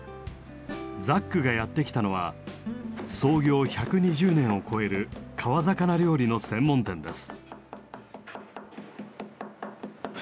ザックがやって来たのは創業１２０年を超える川魚料理の専門店です。